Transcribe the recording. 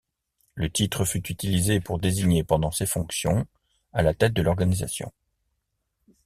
Le titre fut utilisé pour désigner pendant ses fonctions à la tête de l'organisation.